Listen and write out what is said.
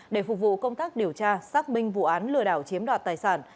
để phục vụ công tác điều tra xác minh vụ án lừa đảo chiếm đoạt tài sản